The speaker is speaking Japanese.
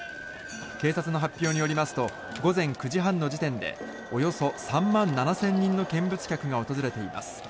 警察の発表によりますと午前９時半の時点でおよそ３万７０００人の見物客が訪れています。